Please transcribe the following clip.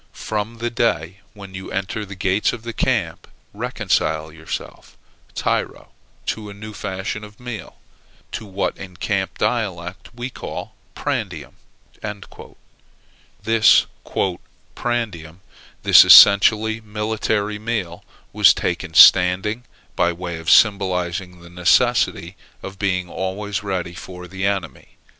From the day when you enter the gates of the camp, reconcile yourself, tyro, to a new fashion of meal, to what in camp dialect we call prandium." This "prandium," this essentially military meal, was taken standing, by way of symbolizing the necessity of being always ready for the enemy.